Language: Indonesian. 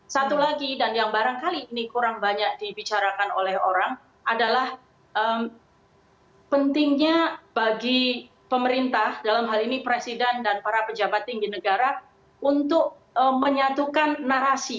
satu lagi dan yang barangkali ini kurang banyak dibicarakan oleh orang adalah pentingnya bagi pemerintah dalam hal ini presiden dan para pejabat tinggi negara untuk menyatukan narasi